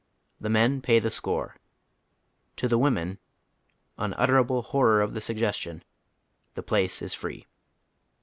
The men pay tbe score. To tlie women — unutterable horror of the suggestion— the place is free.